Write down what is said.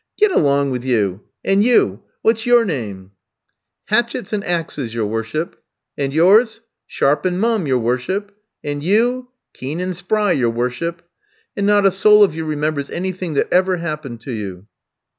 "'Get along with you! And you what's your name?' "'Hatchets and axes, your worship.' "'And yours?' "'Sharp and mum, your worship.' "'And you?' "'Keen and spry, your worship.' "'And not a soul of you remembers anything that ever happened to you.'